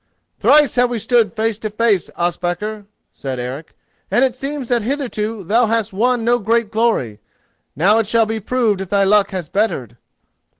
"Thrice have we stood face to face, Ospakar," said Eric, "and it seems that hitherto thou hast won no great glory. Now it shall be proved if thy luck has bettered."